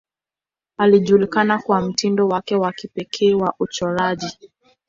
Alijulikana kwa mtindo wake wa kipekee wa uchoraji.